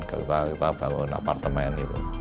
kita bangun apartemen